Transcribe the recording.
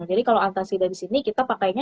jadi kalau antasida di sini kita pakainya